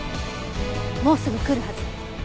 もうすぐ来るはず。